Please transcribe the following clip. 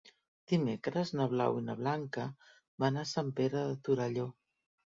Dimecres na Blau i na Blanca van a Sant Pere de Torelló.